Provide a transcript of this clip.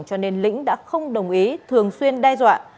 cho nên lĩnh đã không đồng ý thường xuyên đe dọa